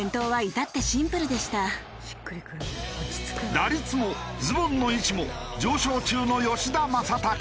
打率もズボンの位置も上昇中の吉田正尚。